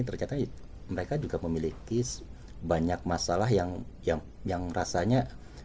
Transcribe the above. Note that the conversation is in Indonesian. ternyata mereka juga memiliki banyak masalah yang rasanya